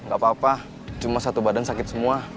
gak apa apa cuma satu badan sakit semua